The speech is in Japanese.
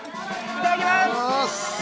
いただきます！